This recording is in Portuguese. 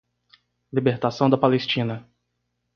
Libertação da Palestina